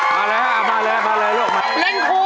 มาแล้วมาแล้วลูก